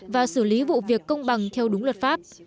và xử lý vụ việc công bằng theo đúng luật pháp